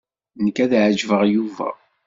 Nekk ad ɛejbeɣ Yuba.